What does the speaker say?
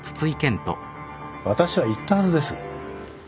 私は言ったはずです。